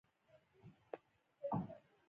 آیا دا د راتلونکي لپاره خطر نه دی؟